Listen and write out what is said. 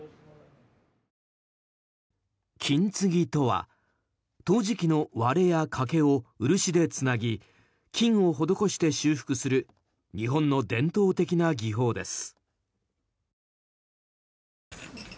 金継ぎとは陶磁器の割れや欠けを漆でつなぎ金を施して修復する日本の伝統的な技法です。